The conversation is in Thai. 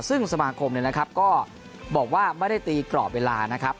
ซึ่งสมาคมก็บอกว่าไม่ได้ตีกรอบเวลานะครับ